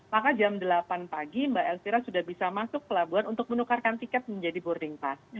maka jam delapan pagi mbak elvira sudah bisa masuk pelabuhan untuk menukarkan tiket menjadi boarding pass